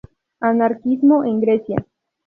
Anarquismo en Grecia